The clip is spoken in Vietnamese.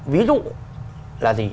ví dụ là gì